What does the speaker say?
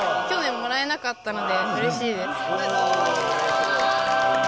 去年もらえなかったのでうれしいです。